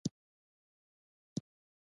زه د ډي ایچ ایل بار وزن اندازه کوم.